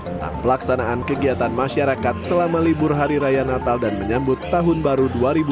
tentang pelaksanaan kegiatan masyarakat selama libur hari raya natal dan menyambut tahun baru dua ribu dua puluh